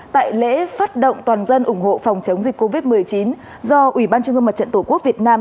tại lễ phát động toàn dân ủng hộ phòng chống dịch covid một mươi chín do ủy ban trung ương mặt trận tổ quốc việt nam